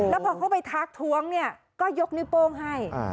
แล้วพอเขาไปทักท้วงเนี่ยก็ยกนิ้วโป้งให้